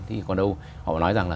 thì còn đâu họ nói rằng là